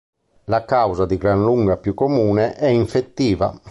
La causa di gran lunga più comune è infettiva.